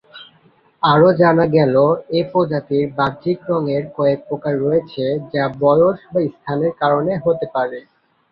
আরও জানা গেল, এ প্রজাতির বাহ্যিক রঙের কয়েক প্রকার রয়েছে, যা বয়স বা স্থানের কারণে হতে পারে।